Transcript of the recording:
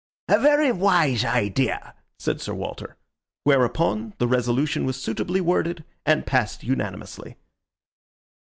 "A very wise idea," said Sir Walter. Whereupon the resolution was suitably worded, and passed unanimously.